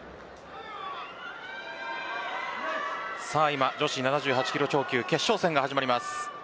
今、女子７８キロ超級の決勝戦が始まります。